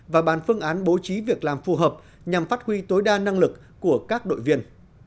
và bàn phương án bố trí việc làm phù hợp nhằm phát huy tối đa năng lực của các đội viên